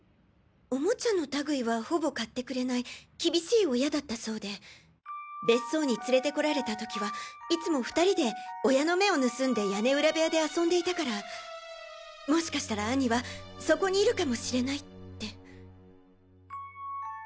オモチャの類いはほぼ買ってくれない厳しい親だったそうで「別荘に連れてこられた時はいつも２人で親の目を盗んで屋根裏部屋で遊んでいたからもしかしたら兄はそこにいるかもしれない」って。